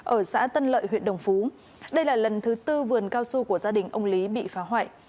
ở xã tân lợi huyện đồng phú đây là lần thứ tư vườn cao su của gia đình ông lý bị phá hoại